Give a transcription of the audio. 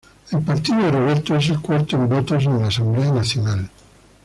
El partido de Roberto es el cuarto en votos en la Asamblea Nacional.